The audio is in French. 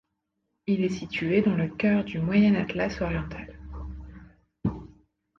Il est situé dans le cœur du Moyen Atlas oriental.